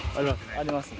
ありますね。